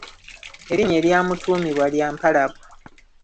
Erinnya eryamutuumibwa lya Mpalabwa.